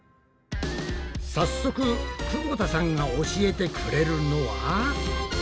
早速くぼ田さんが教えてくれるのは。